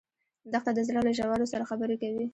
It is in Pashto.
دښته د زړه له ژورو سره خبرې کوي.